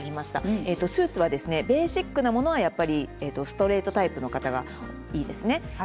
スーツはベーシックなものは、やっぱりストレートタイプの方がいいですね。